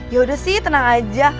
yaudah sih tenang aja